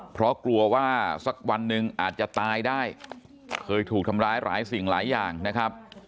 เพราะกลัวว่าสักวันหนึ่งอาจจะตายได้เคยถูกทำร้ายหลายสิ่งหลายอย่างนะครับ